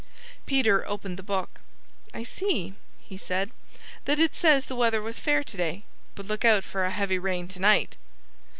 Peter opened the book. "I see," he said, "that it says the weather was fair to day, but look out for a heavy rain to night!"